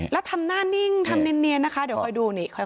แล้วทำหน้านิ่งทำเนียนนะคะเดี๋ยวค่อยดูนี่